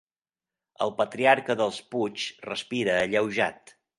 El patriarca dels Puig respira alleujat.